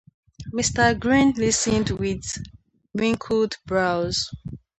Mr. Green listened with wrinkled brows.